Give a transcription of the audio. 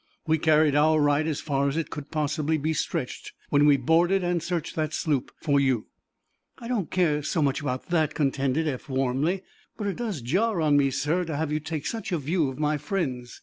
We carried our right as far as it could possibly be stretched when we boarded and searched that sloop for you." "I don't care so much about that," contended Eph, warmly. "But it does jar on me, sir, to have you take such a view of my friends.